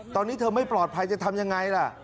ตอนนี้เธอไม่ปลอดภัยจะทำยังไงล่ะ